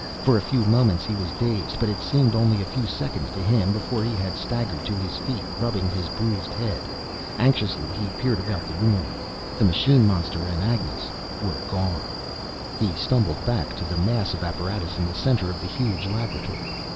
For a few moments he was dazed. But it seemed only a few seconds to him before he had staggered to his feet, rubbing his bruised head. Anxiously, he peered about the room. The machine monster and Agnes were gone! He stumbled back to the mass of apparatus in the center of the huge laboratory.